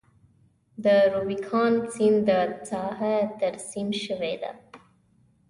د روبیکان سیند ساحه ترسیم شوې ده.